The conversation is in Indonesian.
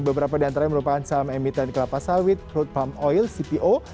beberapa di antaranya merupakan saham emiten kelapa sawit crude palm oil cpo